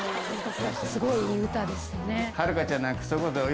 すごいいい歌ですね。